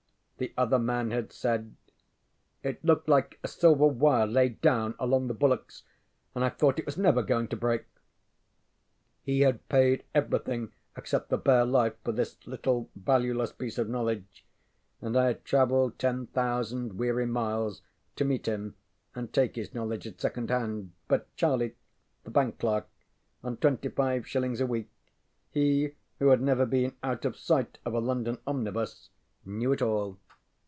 The other man had said: ŌĆ£It looked like a silver wire laid down along the bulwarks, and I thought it was never going to break. ŌĆØ He had paid everything except the bare life for this little valueless piece of knowledge, and I had traveled ten thousand weary miles to meet him and take his knowledge at second hand. But Charlie, the bank clerk, on twenty five shillings a week, he who had never been out of sight of a London omnibus, knew it all.